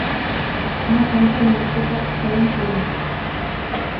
Na tomto místě pak stojí pomník.